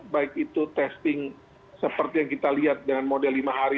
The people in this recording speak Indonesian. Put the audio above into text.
baik itu testing seperti yang kita lihat dengan model lima hari